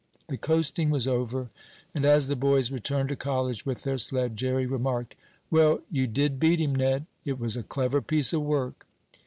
The coasting was over, and as the boys returned to college with their sled, Jerry remarked: "Well, you did beat him, Ned. It was a clever piece of work."